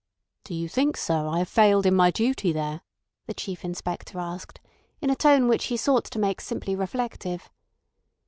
"Do you think, sir, I have failed in my duty there?" the Chief Inspector asked, in a tone which he sought to make simply reflective.